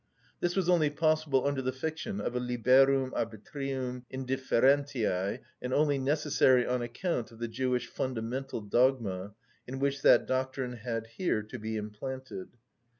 This was only possible under the fiction of a liberum arbitrium indifferentiæ, and only necessary on account of the Jewish fundamental dogma, in which that doctrine had here to be implanted.